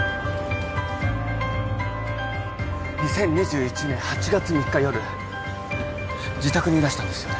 ２０２１年８月３日夜自宅にいらしたんですよね？